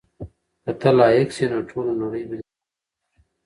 که ته لایق شې نو ټوله نړۍ به دې ستاینه وکړي.